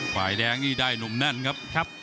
ฝ่ายแดงนี่ได้หนุ่มแน่นครับ